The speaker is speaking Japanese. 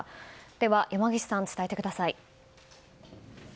では山岸さん、伝えてください。